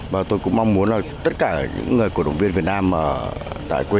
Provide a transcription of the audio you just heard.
và tôi cũng mong muốn là tất cả những người cổ động viên việt nam ở tại quốc